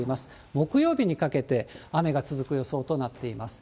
木曜日にかけて雨が続く予想となっています。